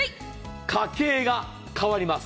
家計が変わります。